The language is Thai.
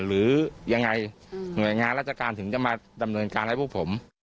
หรือยังไงหน่วยงานราชการถึงจะมาดำเนินการให้พวกผม